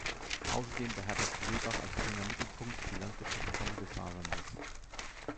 Außerdem beherbergt Lebach als „grüner Mittelpunkt“ die Landwirtschaftskammer des Saarlandes.